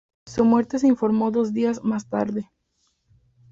Su muerte se informó dos días más tarde.